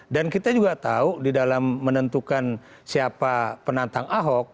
dan kita juga tahu di dalam menentukan siapa penantang ahok